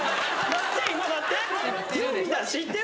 待って。